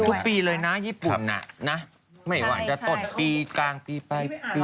ทุกปีเลยนะญี่ปุ่นน่ะเอาอย่างไงว่ะอาจจะตกปีกลางปีไปบี